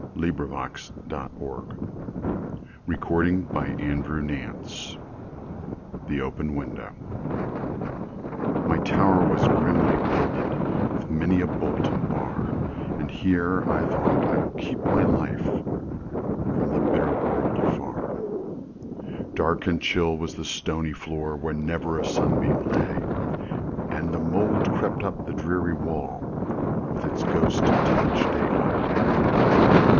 Edward Rowland Sill 1841–1887 Edward Rowland Sill 207 The Open Window MY tower was grimly builded, With many a bolt and bar,"And here," I thought, "I will keep my lifeFrom the bitter world afar."Dark and chill was the stony floor, Where never a sunbeam lay, And the mould crept up on the dreary wall, With its ghost touch, day by day.